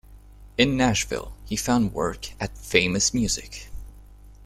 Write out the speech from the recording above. In Nashville, he found work at Famous Music.